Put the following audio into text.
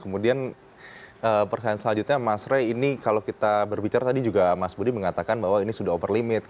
kemudian pertanyaan selanjutnya mas rey ini kalau kita berbicara tadi juga mas budi mengatakan bahwa ini sudah over limit